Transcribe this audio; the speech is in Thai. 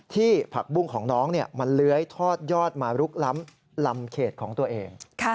ผักบุ้งของน้องมันเลื้อยทอดยอดมาลุกล้ำลำเขตของตัวเอง